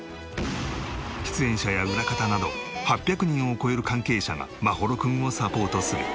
出演者や裏方など８００人を超える関係者が眞秀君をサポートする。